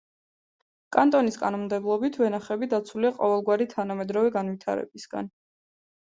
კანტონის კანონმდებლობით, ვენახები დაცულია ყოველგვარი თანამედროვე განვითარებისგან.